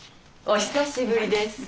お久しぶりです。